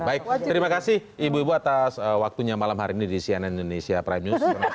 baik terima kasih ibu ibu atas waktunya malam hari ini di cnn indonesia prime news